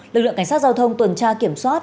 lực lượng cảnh sát giao thông tuần tra kiểm soát